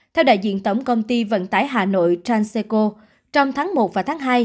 theo đại diện tổng công ty vận tải hà nội transico trong tháng một và tháng hai